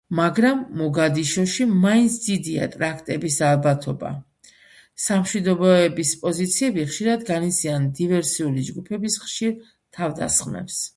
მაგრამ მოგადიშოში მაინც დიდია ტერაქტების ალბათობა, სამშვიდობოების პოზიციები ხშირად განიცდიან დივერსიული ჯგუფების ხშირ თავდასხმებს.